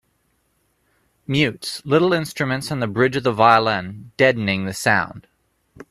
Mutes little instruments on the bridge of the violin, deadening the sound.